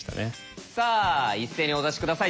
さあ一斉にお出し下さい。